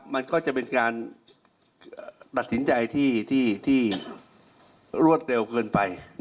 มันก็จะเป็นการตัดสินใจที่รวดเร็วเกินไป